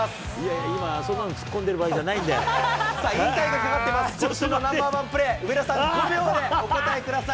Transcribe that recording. いや、今、そんなの突っ込んさあ、引退がかかってます、今週のナンバー１プレー、上田さん、５秒でお答えください。